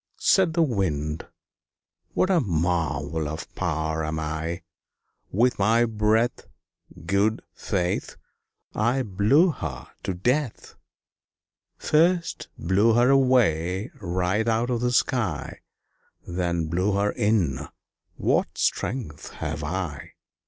Said the Wind "What a marvel of power am I! With my breath, Good faith! I blew her to death First blew her away right out of the sky Then blew her in; what strength have I!"